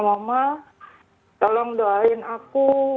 mama tolong doain aku